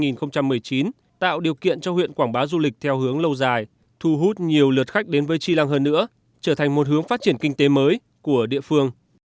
năm hai nghìn một mươi chín tạo điều kiện cho huyện quảng bá du lịch theo hướng lâu dài thu hút nhiều lượt khách đến với tri lăng hơn nữa trở thành một hướng phát triển kinh tế mới của địa phương